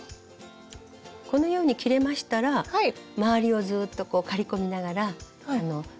このように切れましたら周りをずっと刈り込みながら調整して頂くと。